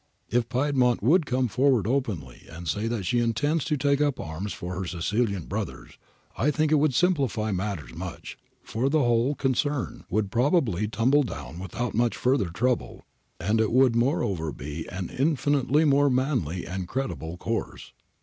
If Piedmont 'would come forward openly and say that she intends to take up arms for her Sicilian brothers, I think it would simplify matters much, for the whole concern would probably tumble down without much further trouble, and it would moreover be an infinitely more manly and creditable course.'